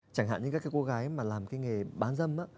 chẳng hạn như các cái cô gái mà làm cái nghề bán dâm